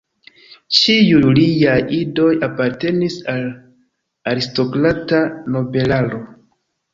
Ĉiuj liaj idoj apartenis al aristokrata nobelaro.